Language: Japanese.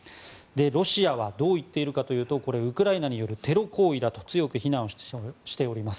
ロシアはどう言っているかというとこれはウクライナによるテロ行為だと強く非難をしております。